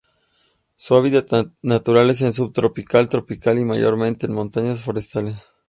Su hábitat natural es sub tropical o tropical, mayormente en montañas forestales.